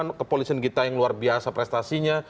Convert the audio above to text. dengan kasus novel kita yang luar biasa prestasinya